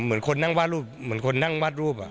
เหมือนคนนั่งวาดรูปเหมือนคนนั่งวาดรูป